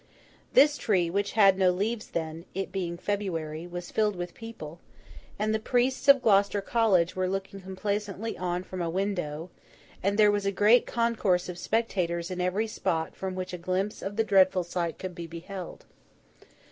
This tree, which had no leaves then, it being February, was filled with people; and the priests of Gloucester College were looking complacently on from a window, and there was a great concourse of spectators in every spot from which a glimpse of the dreadful sight could be beheld.